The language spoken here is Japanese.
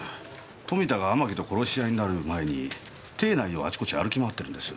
富田が天城と殺し合いになる前に邸内をあちこち歩き回ってるんです。